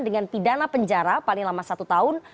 dengan pidana penjara paling lama satu tahun